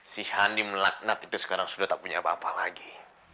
si hani melaknat itu sekarang sudah tak punya apa apa lagi